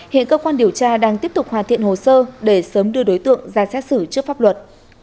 hiện cơ quan điều tra đang tiếp tục hoàn thiện hồ sơ để sớm đưa đối tượng ra xét xử trước pháp luật